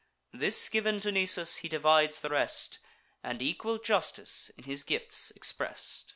This giv'n to Nisus, he divides the rest, And equal justice in his gifts express'd.